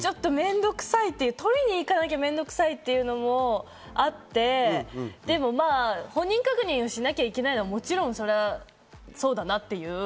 取りに行かなきゃっていうのも面倒くさいというのもあって、本人確認しなきゃいけないのはもちろんそりゃそうだなっていう。